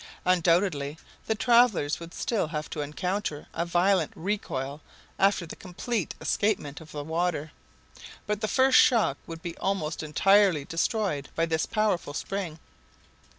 Undoubtedly the travelers would still have to encounter a violent recoil after the complete escapement of the water; but the first shock would be almost entirely destroyed by this powerful spring.